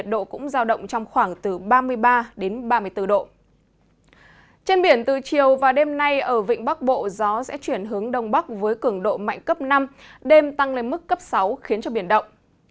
trên biển từ chiều và đêm nay ở vịnh bắc bộ gió sẽ chuyển hướng đông bắc với cường độ mạnh cấp năm đêm tăng lên mức cấp sáu khiến cho biển động